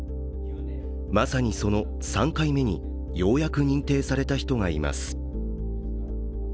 まさに、その３回目にようやく認定された人がいます。